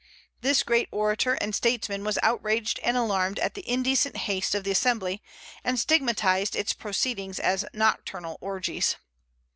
This great orator and statesman was outraged and alarmed at the indecent haste of the Assembly, and stigmatized its proceedings as "nocturnal orgies."